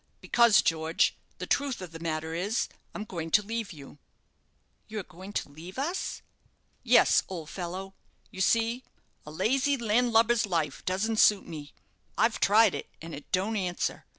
"Because, George, the truth of the matter is, I'm going to leave you." "You are going to leave us?" "Yes, old fellow. You see, a lazy, land lubber's life doesn't suit me. I've tried it, and it don't answer.